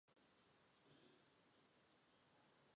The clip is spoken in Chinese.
保利尼亚是巴西圣保罗州的一个市镇。